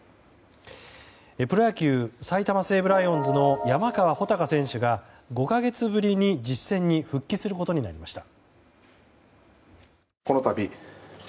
プロ野球埼玉西武ライオンズの山川穂高選手が５か月ぶりに実戦に復帰することになりました。